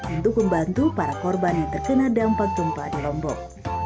untuk membantu para korban yang terkena dampak gempa di lombok